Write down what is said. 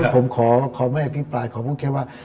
ผมขอไม่อภิปรายขอพูดแค่ว่า